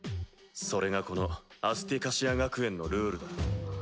それがこのアスティカシア学園のルールだ。